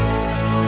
ya udah om baik